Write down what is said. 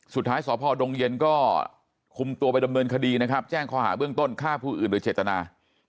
สุดท้ายสพดงเย็นก็คุมตัวไปดำเนินคดีนะครับแจ้งข้อหาเบื้องต้นฆ่าผู้อื่นโดยเจตนา